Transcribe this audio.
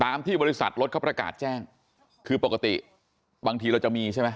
ที่บริษัทรถเขาประกาศแจ้งคือปกติบางทีเราจะมีใช่ไหม